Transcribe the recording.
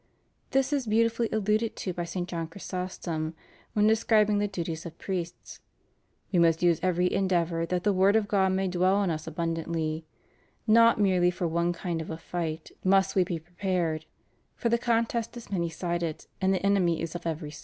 This is beautifully alluded to by St. John Chrysostom, when de scribing the duties of priests :" We must use every endeavor that the 'Word of God may dwell in us abundantly'; ' not merely for one kind of a fight must we be prepared — for the contest is many sided and the enemy is of every sort; * Cone.